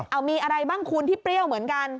เอามีอะไรบ้างคุณที่เปรี้ยวเหมือนกัน